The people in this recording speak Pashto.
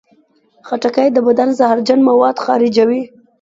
خټکی د بدن زهرجن مواد خارجوي.